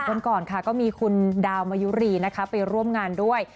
วันก่อนค่ะก็มีคุณดาวมายุรีนะคะไปร่วมงานด้วย